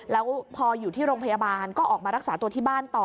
แล้วพออยู่ที่โรงพยาบาลก็ออกมารักษาตัวที่บ้านต่อ